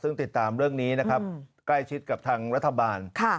ซึ่งติดตามเรื่องนี้นะครับใกล้ชิดกับทางรัฐบาล